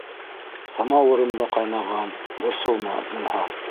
— Самауырым да ҡайнаған, борсолма, зинһар.